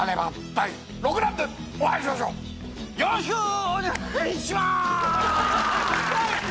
第６弾でお会いしましょうよろしくお願いします！